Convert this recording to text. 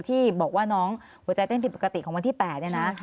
ที่บอกว่าน้องหัวใจเต้นผิดปกติของวันที่๘เนี่ยนะ